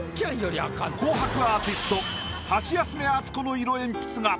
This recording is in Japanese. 「紅白」アーティストハシヤスメ・アツコの色鉛筆画